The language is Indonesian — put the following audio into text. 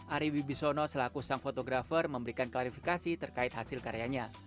ari wibisono selaku sang fotografer memberikan klarifikasi terkait hasil karyanya